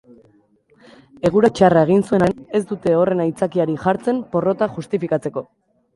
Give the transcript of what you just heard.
Eguraldi txarra egin zuen arren, ez dute horren aitzakiarik jartzen porrota justifikatzeko.